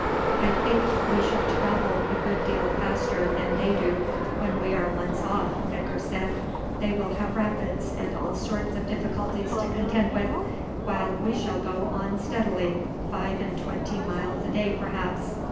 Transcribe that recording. "I think we shall travel a good deal faster than they do when we are once off," Edgar said. "They will have rapids and all sorts of difficulties to contend with, while we shall go on steadily, five and twenty miles a day perhaps.